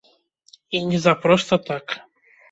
І не за проста так.